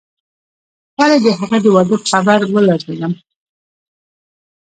ولې د هغې د واده په خبر ولړزېدم.